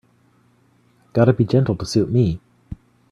Gotta be gentle to suit me.